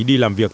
đi làm việc